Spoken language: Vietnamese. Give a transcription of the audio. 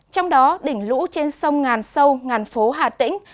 trong đó đỉnh lũ trên sông ngàn sâu ngàn phố hà tĩnh